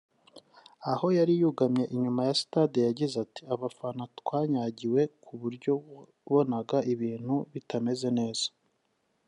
aho yari yugamye inyuma ya sitade yagize ati “abafana twanyagiwe ku buryo wabonaga ibintu bitameze neza